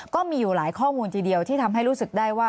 ก็มีอยู่หลายข้อมูลทีเดียวที่ทำให้รู้สึกได้ว่า